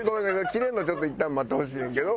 キレるのちょっといったん待ってほしいねんけど。